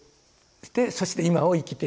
そして今を生きている。